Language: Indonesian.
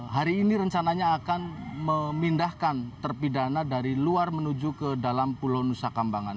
hari ini rencananya akan memindahkan terpidana dari luar menuju ke dalam pulau nusa kambangan